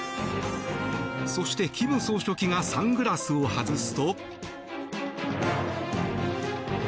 そして、金総書記がサングラスを外すと。